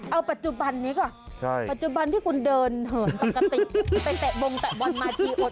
เอาปัจจุบันนี้ก่อนปัจจุบันที่คุณเดินเหินปกติไปเตะบงเตะบอลมาทีโอด